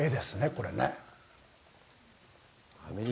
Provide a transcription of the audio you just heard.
これね。